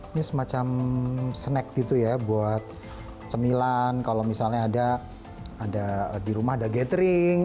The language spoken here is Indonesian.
ini semacam snack gitu ya buat cemilan kalau misalnya ada di rumah ada gathering